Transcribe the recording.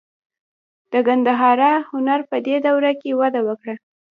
د ګندهارا هنر په دې دوره کې وده وکړه.